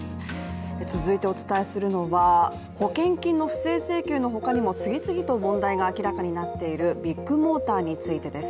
続いてお伝えするのは保険金の不正請求の他にも次々と問題が明らかになっているビッグモーターについてです。